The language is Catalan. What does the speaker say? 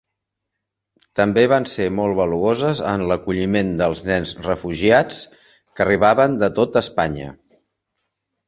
També van ser molt valuoses en l'acolliment dels nens refugiats que arribaven de tot Espanya.